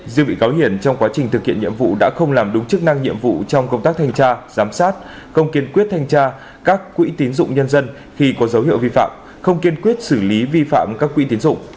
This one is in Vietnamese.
riêng bị cáo hiển trong quá trình thực hiện nhiệm vụ đã không làm đúng chức năng nhiệm vụ trong công tác thanh tra giám sát không kiên quyết thanh tra các quỹ tín dụng nhân dân khi có dấu hiệu vi phạm không kiên quyết xử lý vi phạm các quỹ tín dụng